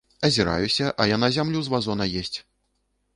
Азіраюся, а яна зямлю з вазона есць!